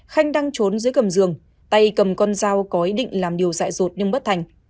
khanh đang trốn dưới cầm giường tay cầm con dao có ý định làm điều dạy rột nhưng bất thành